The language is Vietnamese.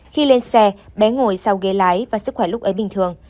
khi lên xe bé ngồi sau ghế lái và sức khỏe lúc ấy bình thường